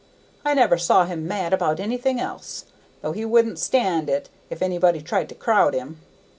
I never saw him mad about anything else, though he wouldn't stand it if anybody tried to crowd him.